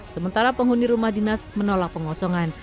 sementara penghuni rumah dinas menolak pengosongan